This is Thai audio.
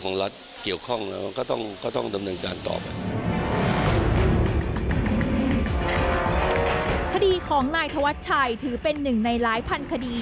คดีของนายธวัชชัยถือเป็นหนึ่งในหลายพันคดี